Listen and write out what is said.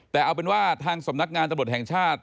แต่เอาเป็นว่าทางส่วนนักงานจับบนแห่งชาติ